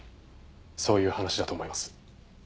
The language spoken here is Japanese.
そういう話だと思います。